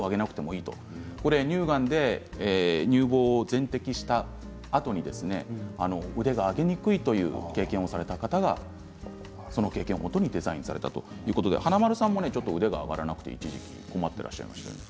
乳がんで乳房を全摘したあとに腕が上げにくいという経験をされた方がその経験をもとにデザインされたということで華丸さんも腕が上がらなくて一時期困ってらっしゃいましたね。